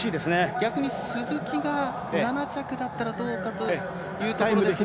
逆に鈴木が７着だったらどうかというところですが。